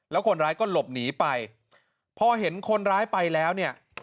แล้วคนร้ายก็หลบหนีไปพอเห็นคนร้ายไปแล้วเนี่ย